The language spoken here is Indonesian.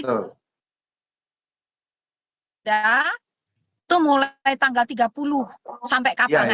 itu mulai tanggal tiga puluh sampai kapan